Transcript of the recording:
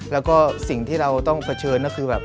แล้วก็สิ่งที่เราต้องเผชิญก็คือแบบ